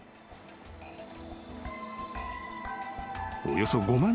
［およそ５万